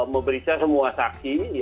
memberikan semua saksi